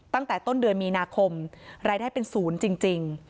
ตั้งแต่ต้นเดือนมีนาคมรายได้เป็นศูนย์จริง